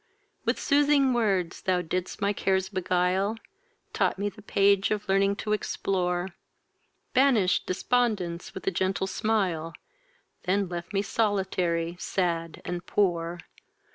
With soothing words thou didst my cares beguile, Taught me the page of learning to explore, Banish'd despondence with a gentle smile, Then left me solitary, sad, and poor.